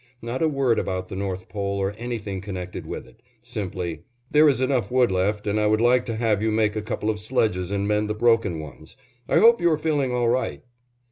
Not a word about the North Pole or anything connected with it; simply, "There is enough wood left, and I would like to have you make a couple of sledges and mend the broken ones. I hope you are feeling all right."